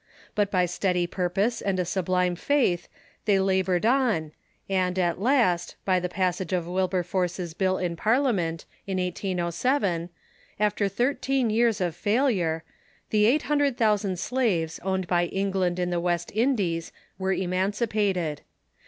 But by steady purpose and a sublime faith they labored on, and at last, by the passage of Wilberforce's bill in Parliament, in 1807, after thirteen years of failure, the eight hundred thousand slaves owned by England in the West Indies were emancipated.